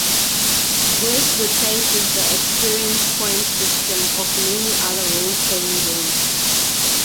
This replaces the experience points system of many other role-playing games.